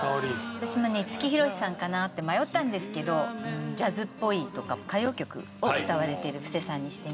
私もね五木ひろしさんかなって迷ったんですけどジャズっぽいとか歌謡曲を歌われてる布施さんにしてみました。